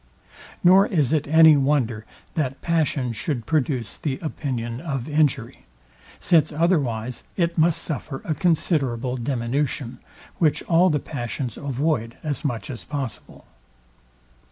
Nor is it any wonder that passion should produce the opinion of injury; since otherwise it must suffer a considerable diminution, which all the passions avoid as much as possible.